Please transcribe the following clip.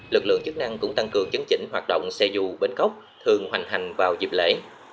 lực lượng chức năng cũng tăng cường chấn chỉnh hoạt động xe dù bến cốc thường hoành hành vào dịp lễ